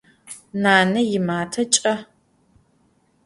Nane yimate ç'e.